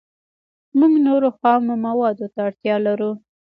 موږ نورو خامو موادو ته اړتیا لرو